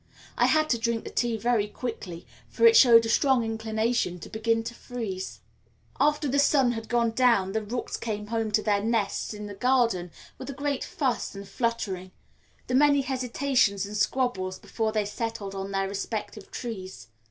I had to drink the tea very quickly, for it showed a strong inclination to begin to freeze. After the sun had gone down the rooks came home to their nests in the garden with a great fuss and fluttering, and many hesitations and squabbles before they settled on their respective trees.